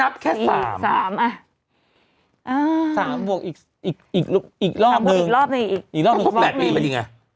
๓บวกอีกรอบมึง